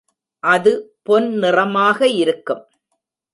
அது பொன் நிறமாக இருக்கும்.